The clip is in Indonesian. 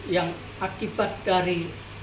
yang akibat dari